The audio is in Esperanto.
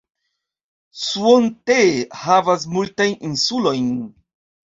Suontee havas multajn insulojn.